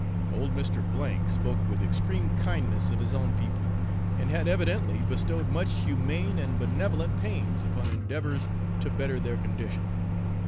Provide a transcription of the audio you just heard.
Old Mr. C spoke with extreme kindness of his own people, and had evidently bestowed much humane and benevolent pains upon endeavours to better their condition.